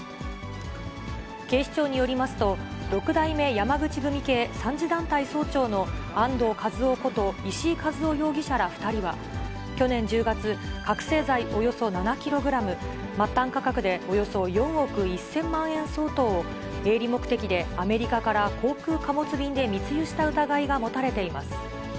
警視庁によりますと、六代目山口組系三次団体総長の安藤和夫こと石井和夫容疑者ら２人は、去年１０月、覚醒剤およそ７キログラム、末端価格でおよそ４億１０００万円相当を、営利目的でアメリカから航空貨物便で密輸した疑いが持たれています。